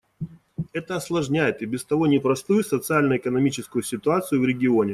Это осложняет и без того непростую социально-экономическую ситуацию в регионе.